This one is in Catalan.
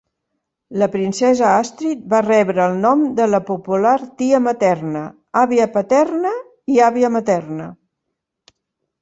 La princesa Àstrid va rebre el nom de la popular tia materna, àvia paterna i àvia materna.